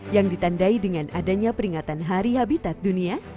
yang ditandai dengan adanya peringatan hari habitat dunia